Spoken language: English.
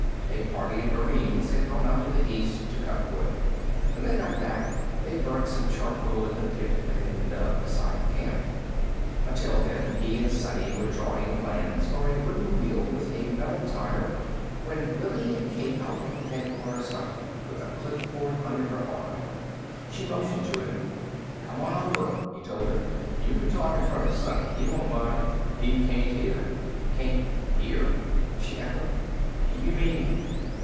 A party of Marines had gone out to the woods to the east to cut wood; when they got back, they'd burn some charcoal in the pit that had been dug beside the camp. Until then, he and Sonny were drawing plans for a wooden wheel with a metal tire when Lillian came out of the headquarters hut with a clipboard under her arm. She motioned to him. "Come on over," he told her. "You can talk in front of Sonny; he won't mind. He can't hear." "Can't hear?" she echoed. "You mean